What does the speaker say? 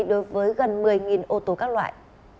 đối với gần một mươi ô tô các loại